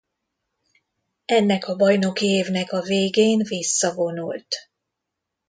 Ennek a bajnoki évnek a végén visszavonult.